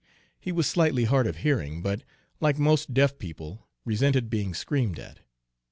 He was slightly hard of hearing, but, like most deaf people, resented being screamed at.